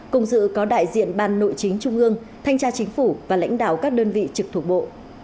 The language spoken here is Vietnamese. cùng dự có đại diện ban nội chính trung ương thanh tra chính phủ và lãnh đạo các đơn vị trực thuộc bộ